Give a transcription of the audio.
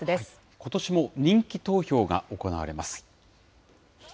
ことしも人気投票が行われます。